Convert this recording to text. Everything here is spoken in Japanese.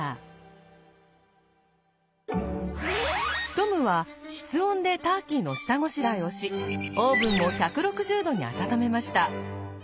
トムは室温でターキーの下ごしらえをしオーブンを１６０℃に温めました。